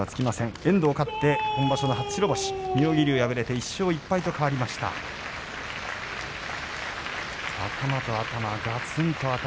遠藤勝って今場所の初白星妙義龍敗れて１勝１敗と変わりました。